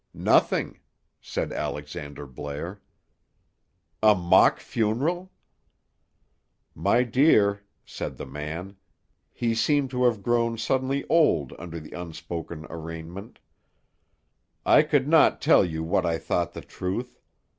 "Nothing," said Alexander Blair. "A mock funeral!" "My dear," said the man—he seemed to have grown suddenly old under the unspoken arraignment—"I could not tell you what I thought the truth.